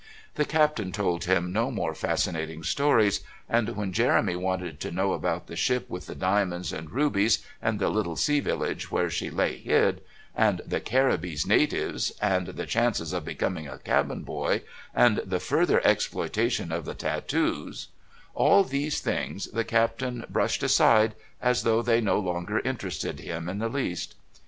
The Captain told him no more fascinating stories, and when Jeremy wanted to know about the ship with the diamonds and rubies and the little sea village where she lay hid and the Caribbees natives, and the chances of becoming a cabin boy, and the further exploitation of the tatooes all these things the Captain brushed aside as though they no longer interested him in the least.